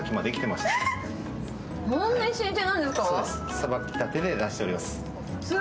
さばくだけで出しております。